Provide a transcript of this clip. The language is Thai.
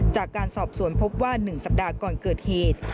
จากการสอบสวนพบว่า๑สัปดาห์ก่อนเกิดเหตุ